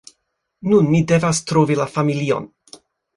Nun, mi devas trovi la familion